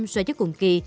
so với chất cùng kỳ